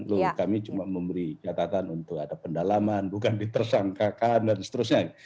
loh kami cuma memberi catatan untuk ada pendalaman bukan ditersangkakan dan seterusnya